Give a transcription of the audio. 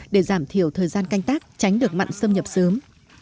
để giảm thiểu thời gian canh tác tránh được mặn xâm nhập sớm